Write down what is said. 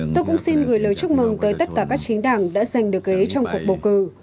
tôi cũng xin gửi lời chúc mừng tới tất cả các chính đảng đã giành được ghế trong cuộc bầu cử